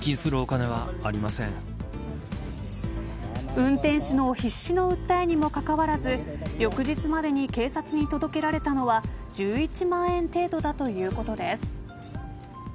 運転手の必死の訴えにもかかわらず翌日までに警察に届けられたのは１１万円程度だということです。